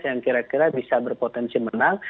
yang kira kira bisa berpotensi menang